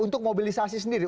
untuk mobilisasi sendiri